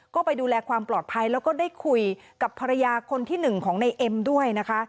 ก็ไปดูแลความปลอดภัยแล้วก็ได้คุยกับภรรยาคนที่หนึ่งของในเอ็มด้วยนะคะ